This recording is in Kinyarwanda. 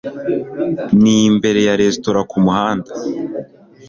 Ni imbere ya resitora kumuhanda